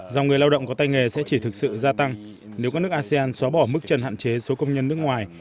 dòng người lao động có tay nghề sẽ chỉ thực sự gia tăng nếu các nước asean xóa bỏ mức trần hạn chế số công nhân nước ngoài